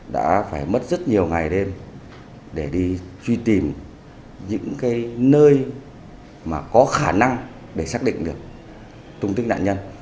đã phải mất rất nhiều ngày đêm để đi truy tìm những cái nơi mà có khả năng để xác định được tung tích nạn nhân